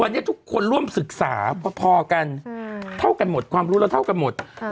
วันนี้ทุกคนร่วมศึกษาพอกันเท่ากันหมดความรู้เราเท่ากันหมด